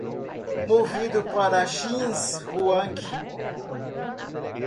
Movido para Xinzhuang